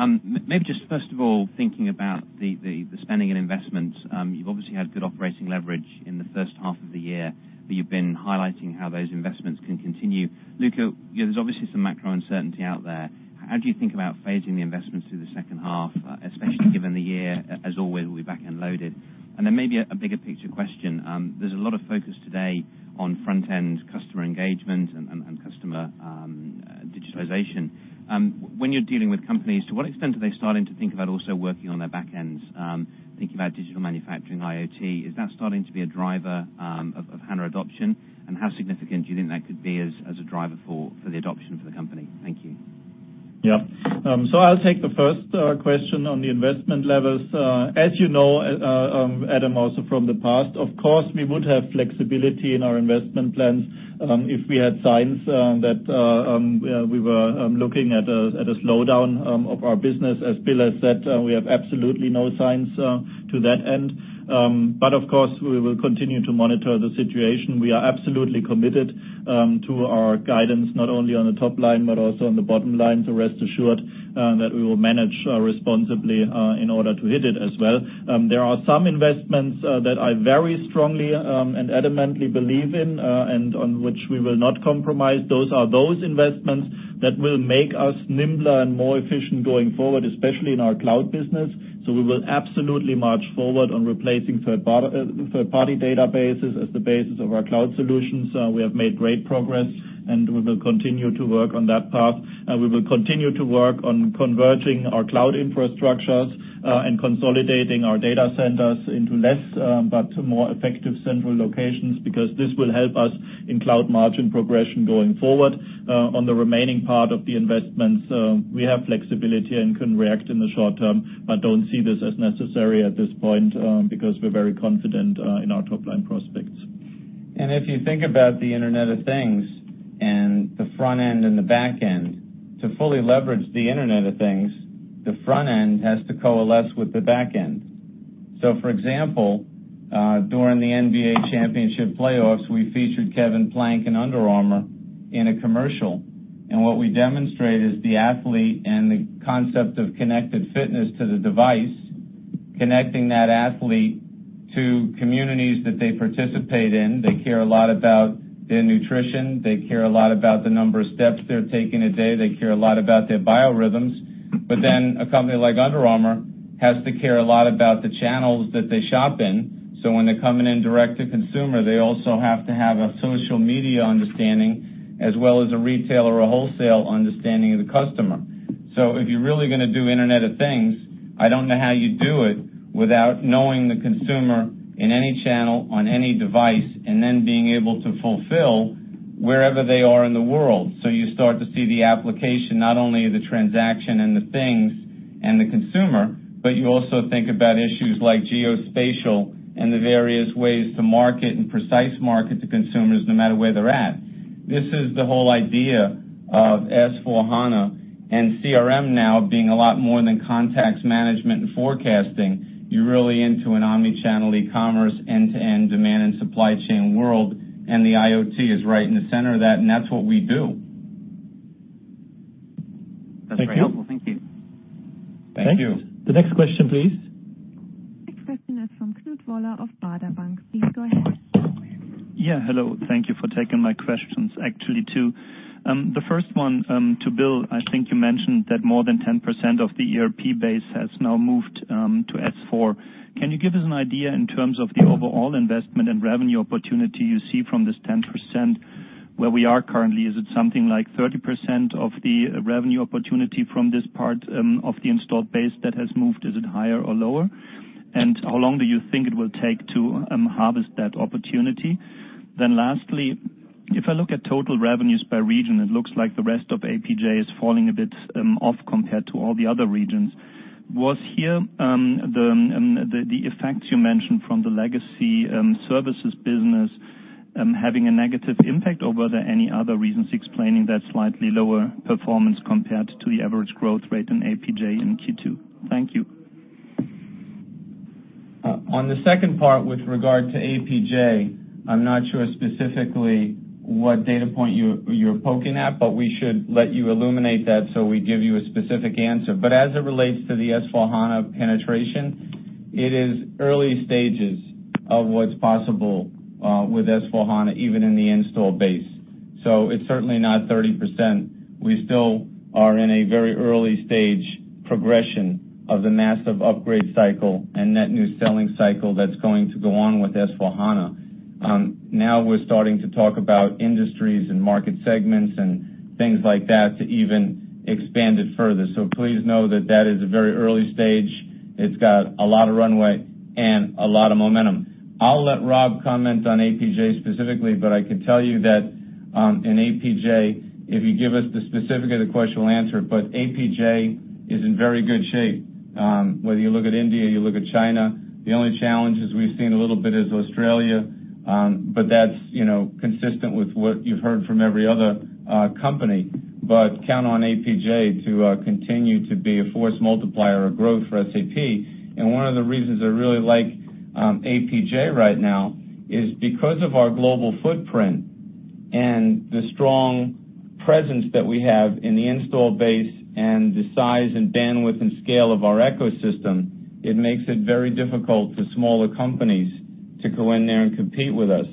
Maybe just first of all, thinking about the spending and investments. You've obviously had good operating leverage in the first half of the year, but you've been highlighting how those investments can continue. Luka, there's obviously some macro uncertainty out there. How do you think about phasing the investments through the second half, especially given the year, as always, will be back-end loaded? Then maybe a bigger picture question. There's a lot of focus today on front-end customer engagement and customer digitalization. When you're dealing with companies, to what extent are they starting to think about also working on their back ends? Thinking about digital manufacturing, IoT, is that starting to be a driver of HANA adoption? How significant do you think that could be as a driver for the adoption for the company? Thank you. Yeah. I'll take the first question on the investment levels. As you know, Adam, also from the past, of course, we would have flexibility in our investment plans if we had signs that we were looking at a slowdown of our business. As Bill has said, we have absolutely no signs to that end. Of course, we will continue to monitor the situation. We are absolutely committed to our guidance, not only on the top line but also on the bottom line. Rest assured that we will manage responsibly in order to hit it as well. There are some investments that I very strongly and adamantly believe in and on which we will not compromise. Those are those investments that will make us nimbler and more efficient going forward, especially in our cloud business. We will absolutely march forward on replacing third-party databases as the basis of our cloud solutions. We have made great progress, and we will continue to work on that path. We will continue to work on converging our cloud infrastructures and consolidating our data centers into less but more effective central locations because this will help us in cloud margin progression going forward. On the remaining part of the investments, we have flexibility and can react in the short term, but don't see this as necessary at this point because we're very confident in our top-line prospects. If you think about the Internet of Things and the front end and the back end, to fully leverage the Internet of Things, the front end has to coalesce with the back end. For example, during the NBA championship playoffs, we featured Kevin Plank and Under Armour in a commercial, and what we demonstrate is the athlete and the concept of connected fitness to the device, connecting that athlete to communities that they participate in. They care a lot about their nutrition. They care a lot about the number of steps they're taking a day. They care a lot about their biorhythms. A company like Under Armour has to care a lot about the channels that they shop in. When they're coming in direct to consumer, they also have to have a social media understanding, as well as a retail or a wholesale understanding of the customer. If you're really going to do Internet of Things, I don't know how you do it without knowing the consumer in any channel, on any device, and then being able to fulfill wherever they are in the world. You start to see the application, not only the transaction and the things and the consumer, but you also think about issues like geospatial and the various ways to market and precise market to consumers, no matter where they're at. This is the whole idea of S/4HANA and CRM now being a lot more than contacts management and forecasting. You're really into an omni-channel e-commerce, end-to-end demand and supply chain world, and the IoT is right in the center of that, and that's what we do. That's very helpful. Thank you. Thank you. Thank you. The next question, please. Next question is from Knut Woller of Baader Bank. Please go ahead. Yeah, hello. Thank you for taking my questions. Actually, two. The first one to Bill, I think you mentioned that more than 10% of the ERP base has now moved to S4. Can you give us an idea in terms of the overall investment and revenue opportunity you see from this 10%, where we are currently? Is it something like 30% of the revenue opportunity from this part of the installed base that has moved? Is it higher or lower? Lastly, how long do you think it will take to harvest that opportunity? If I look at total revenues by region, it looks like the rest of APJ is falling a bit off compared to all the other regions. Was here the effects you mentioned from the legacy services business having a negative impact, or were there any other reasons explaining that slightly lower performance compared to the average growth rate in APJ in Q2? Thank you. On the second part, with regard to APJ, I'm not sure specifically what data point you're poking at, we should let you illuminate that so we give you a specific answer. As it relates to the S/4HANA penetration, it is early stages of what's possible with S/4HANA, even in the install base. It's certainly not 30%. We still are in a very early stage progression of the massive upgrade cycle and net new selling cycle that's going to go on with S/4HANA. We're starting to talk about industries and market segments and things like that to even expand it further. Please know that that is a very early stage. It's got a lot of runway and a lot of momentum. I'll let Rob comment on APJ specifically, I can tell you that in APJ, if you give us the specific of the question, we'll answer it, APJ is in very good shape. Whether you look at India, you look at China, the only challenges we've seen a little bit is Australia, that's consistent with what you've heard from every other company. Count on APJ to continue to be a force multiplier of growth for SAP. One of the reasons I really like APJ right now is because of our global footprint and the strong presence that we have in the install base and the size and bandwidth and scale of our ecosystem, it makes it very difficult for smaller companies to go in there and compete with us.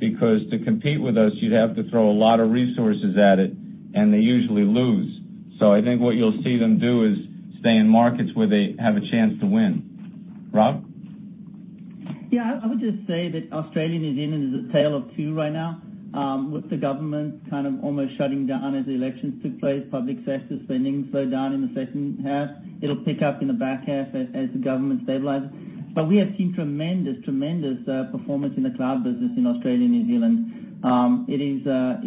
To compete with us, you'd have to throw a lot of resources at it, and they usually lose. I think what you'll see them do is stay in markets where they have a chance to win. Rob? I would just say that Australia and New Zealand is a tale of two right now. With the government kind of almost shutting down as the elections took place, public sector spending slowed down in the second half. It'll pick up in the back half as the government stabilizes. We have seen tremendous performance in the cloud business in Australia and New Zealand. It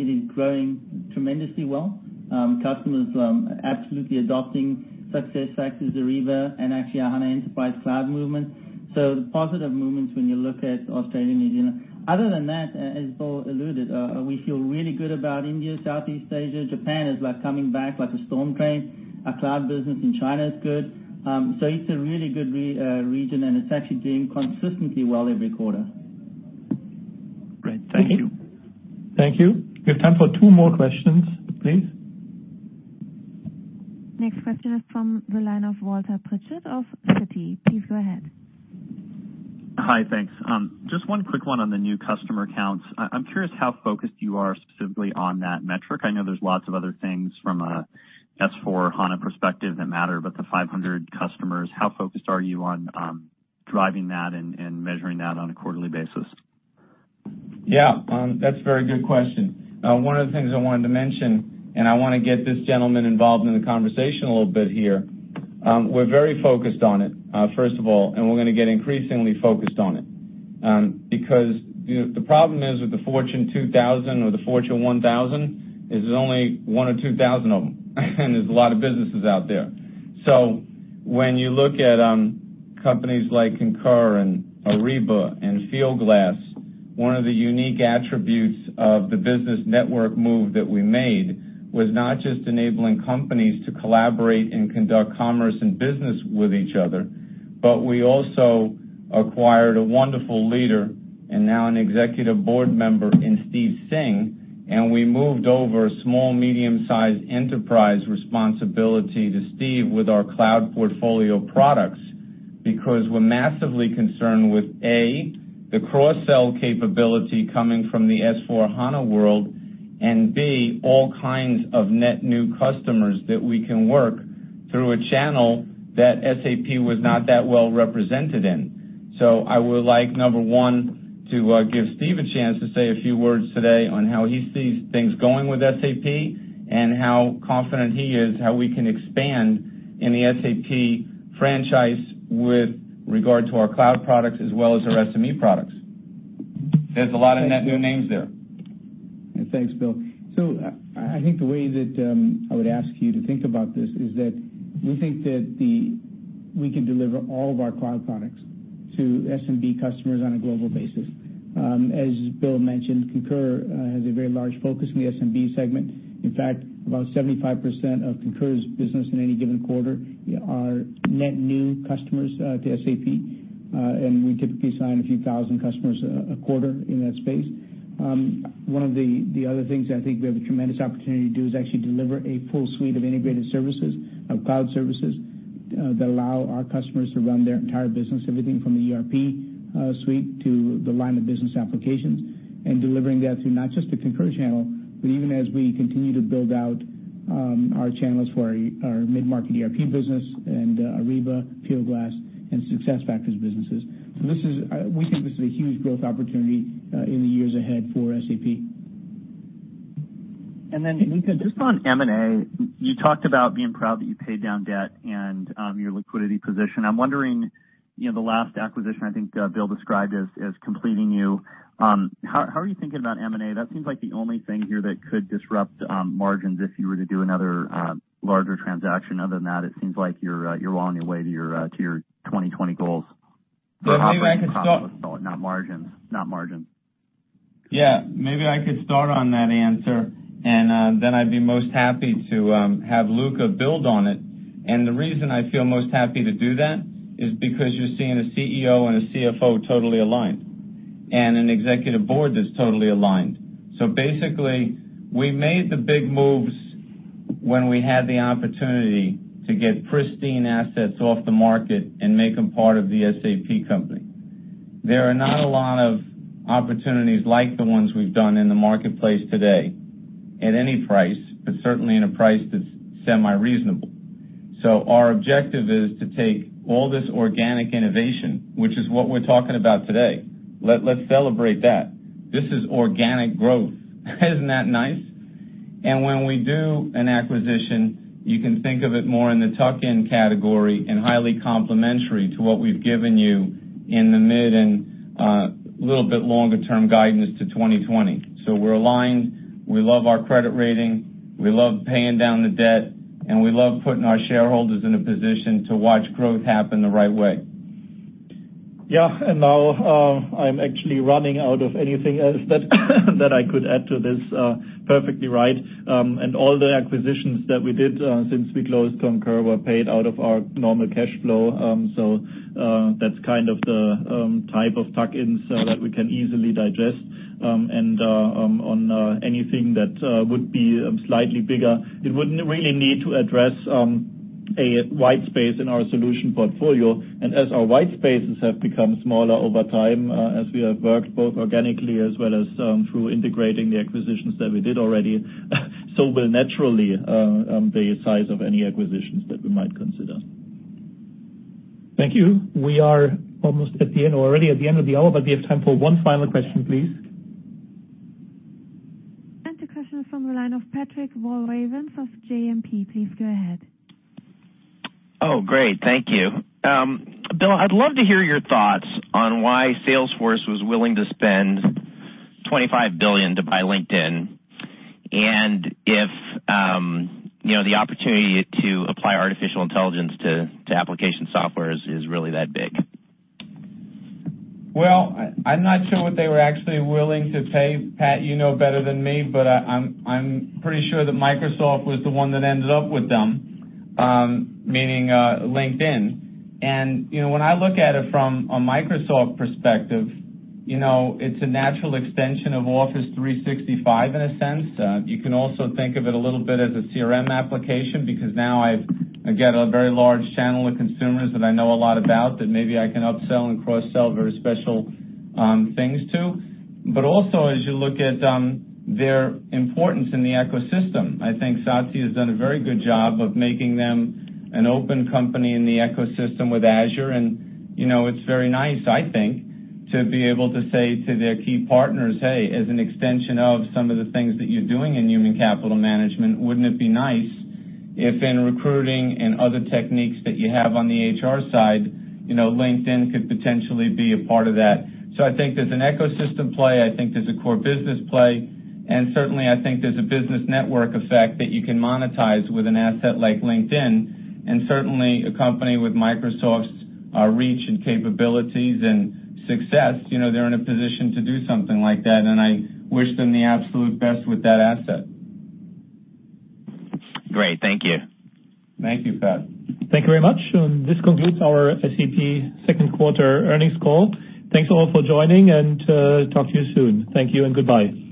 is growing tremendously well. Customers are absolutely adopting SuccessFactors, Ariba, and actually our HANA Enterprise Cloud movement. The positive movements when you look at Australia and New Zealand. Other than that, as Bill alluded, we feel really good about India, Southeast Asia. Japan is coming back like a steam train. Our cloud business in China is good. It's a really good region, and it's actually doing consistently well every quarter. Great. Thank you. Thank you. We have time for two more questions, please. Next question is from the line of Walter Pritchard of Citi. Please go ahead. Hi, thanks. Just one quick one on the new customer accounts. I'm curious how focused you are specifically on that metric. I know there's lots of other things from a S/4HANA perspective that matter, but the 500 customers, how focused are you on driving that and measuring that on a quarterly basis? Yeah. That's a very good question. One of the things I wanted to mention, and I want to get this gentleman involved in the conversation a little bit here. We're very focused on it, first of all, and we're going to get increasingly focused on it. The problem is with the Fortune 2000 or the Fortune 1000, is there's only one or 2,000 of them, and there's a lot of businesses out there. When you look at companies like Concur and Ariba and Fieldglass, one of the unique attributes of the business network move that we made was not just enabling companies to collaborate and conduct commerce and business with each other, but we also acquired a wonderful leader, and now an Executive Board Member in Steve Singh, and we moved over a small, medium-sized enterprise responsibility to Steve with our cloud portfolio products. We're massively concerned with, A, the cross-sell capability coming from the S/4HANA world, and B, all kinds of net new customers that we can work through a channel that SAP was not that well represented in. I would like, number 1, to give Steve a chance to say a few words today on how he sees things going with SAP and how confident he is, how we can expand in the SAP franchise with regard to our cloud products as well as our SME products. There's a lot of net new names there. Thanks, Bill. I think the way that I would ask you to think about this is that we think that we can deliver all of our cloud products to SMB customers on a global basis. As Bill mentioned, Concur has a very large focus in the SMB segment. In fact, about 75% of Concur's business in any given quarter are net new customers to SAP, and we typically sign a few thousand customers a quarter in that space. One of the other things I think we have a tremendous opportunity to do is actually deliver a full suite of integrated services, of cloud services, that allow our customers to run their entire business, everything from the ERP suite to the line of business applications. Delivering that through not just the Concur channel, but even as we continue to build out our channels for our mid-market ERP business and Ariba, Fieldglass, and SuccessFactors businesses. We think this is a huge growth opportunity in the years ahead for SAP. Luka. Just on M&A, you talked about being proud that you paid down debt and your liquidity position. I'm wondering, the last acquisition, I think Bill described as completing you. How are you thinking about M&A? That seems like the only thing here that could disrupt margins if you were to do another larger transaction. Other than that, it seems like you're well on your way to your 2020 goals. Bill, maybe I could start. Operating profit, not margins. Maybe I could start on that answer. Then I'd be most happy to have Luka build on it. The reason I feel most happy to do that is because you're seeing a CEO and a CFO totally aligned, and an executive board that's totally aligned. Basically, we made the big moves when we had the opportunity to get pristine assets off the market and make them part of SAP. There are not a lot of opportunities like the ones we've done in the marketplace today, at any price, but certainly in a price that's semi-reasonable. Our objective is to take all this organic innovation, which is what we're talking about today. Let's celebrate that. This is organic growth. Isn't that nice? When we do an acquisition, you can think of it more in the tuck-in category and highly complementary to what we've given you in the mid and little bit longer-term guidance to 2020. We're aligned. We love our credit rating. We love paying down the debt, and we love putting our shareholders in a position to watch growth happen the right way. Now I'm actually running out of anything else that I could add to this. Perfectly right. All the acquisitions that we did since we closed Concur were paid out of our normal cash flow. That's kind of the type of tuck-ins that we can easily digest. On anything that would be slightly bigger, it wouldn't really need to address a white space in our solution portfolio. As our white spaces have become smaller over time, as we have worked both organically as well as through integrating the acquisitions that we did already, so will naturally, the size of any acquisitions that we might consider. Thank you. We are almost at the end, or already at the end of the hour, but we have time for one final question, please. The question is from the line of Patrick Walravens of JMP. Please go ahead. Oh, great. Thank you. Bill, I'd love to hear your thoughts on why Salesforce was willing to spend $25 billion to buy LinkedIn, and if the opportunity to apply artificial intelligence to application software is really that big. Well, I'm not sure what they were actually willing to pay. Pat, you know better than me, but I'm pretty sure that Microsoft was the one that ended up with them, meaning LinkedIn. When I look at it from a Microsoft perspective, it's a natural extension of Office 365, in a sense. You can also think of it a little bit as a CRM application, because now I've got a very large channel of consumers that I know a lot about that maybe I can upsell and cross-sell very special things to. As you look at their importance in the ecosystem, I think Satya has done a very good job of making them an open company in the ecosystem with Azure. It's very nice, I think, to be able to say to their key partners, "Hey, as an extension of some of the things that you're doing in human capital management, wouldn't it be nice if in recruiting and other techniques that you have on the HR side, LinkedIn could potentially be a part of that?" I think there's an ecosystem play, I think there's a core business play, and certainly, I think there's a business network effect that you can monetize with an asset like LinkedIn. Certainly, a company with Microsoft's reach and capabilities and success, they're in a position to do something like that, and I wish them the absolute best with that asset. Great. Thank you. Thank you, Pat. This concludes our SAP second quarter earnings call. Thanks all for joining, and talk to you soon. Thank you and goodbye.